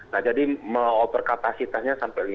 nah jadi mengoper kapasitasnya sampai lima kali